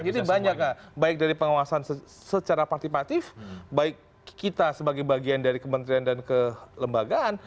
jadi banyak baik dari pengawasan secara partipatif baik kita sebagai bagian dari kementerian dan kelembagaan